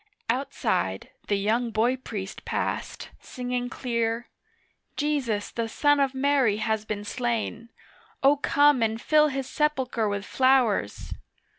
Outside the young boy priest passed singing clear, 'Jesus the son of Mary has been slain, O come and fill His sepulchre with flowers.